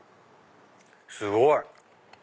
すごい！